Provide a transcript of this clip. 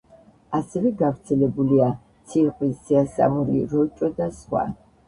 ასევე გავრცელებულია: ციყვი, სიასამური, როჭო და სხვა.